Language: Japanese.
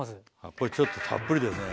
これちょっとたっぷりでね